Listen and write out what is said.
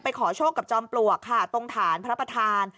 ขอโชคกับจอมปลวกค่ะตรงฐานพระประธาน